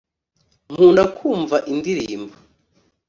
Nkunda kumva indirimbo